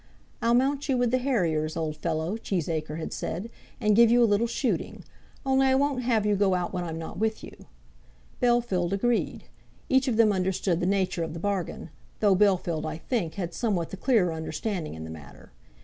"I'll mount you with the harriers, old fellow," Cheesacre had said; "and give you a little shooting. Only I won't have you go out when I'm not with you." Bellfield agreed, Each of them understood the nature of the bargain; though Bellfield, I think, had somewhat the clearer understanding in the matter.